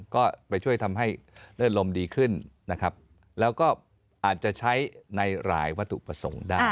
ก็ไปช่วยทำให้เลือดลมดีขึ้นนะครับแล้วก็อาจจะใช้ในหลายวัตถุประสงค์ได้